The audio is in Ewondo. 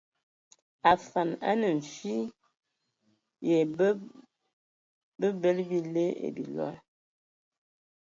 Afan a nə fyƐ ya ebələ bile ai bilɔg.